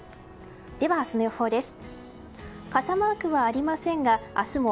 では、明日の予報です。